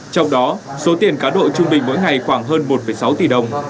trong đó số tiền cá độ trung bình mỗi ngày khoảng hơn một sáu tỷ đồng